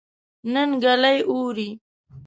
نن ګلۍ اوري